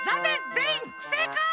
ぜんいんふせいかい！